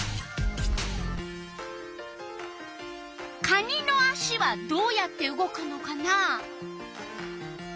かにのあしはどうやって動くのかな？